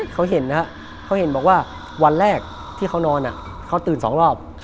เขาเห็นนะครับเขาเห็นบอกว่าวันแรกที่เขานอนเขาตื่นสองรอบ